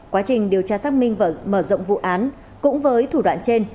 quá trình điều tra xác minh và mở rộng vụ án cũng với thủ đoạn trên